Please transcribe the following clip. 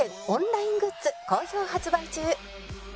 オンライングッズ好評発売中